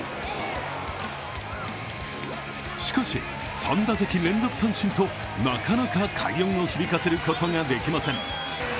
しかし、３打席連続三振となかなか快音を響かせることができません。